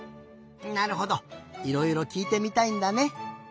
なるほどいろいろきいてみたいんだね。